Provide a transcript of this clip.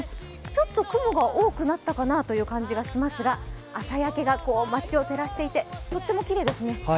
ちょっと雲が多くなったかなという感じがしますが朝焼けが街を照らしていてとってもきれいですね。